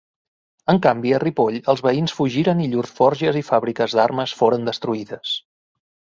En canvi, a Ripoll els veïns fugiren i llurs forges i fàbriques d'armes foren destruïdes.